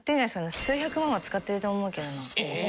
数百万は使ってると思うけどな。